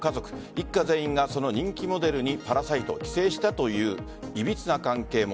一家全員がその人気モデルにパラサイト、寄生したといういびつな関係も。